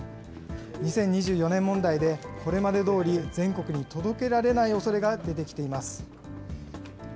２０２４年問題で、これまでどおり全国に届けられないおそれが出てきています。